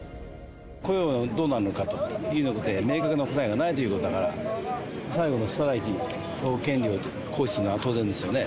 雇用がどうなるのかというのが、明確な答えがないということだから、最後のストライキの権利を行使するのは当然ですよね。